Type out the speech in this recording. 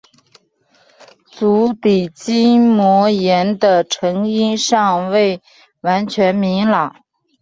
足底筋膜炎的成因尚未完全明朗。